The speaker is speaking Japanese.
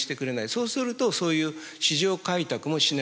そうするとそういう市場開拓もしなきゃいけない。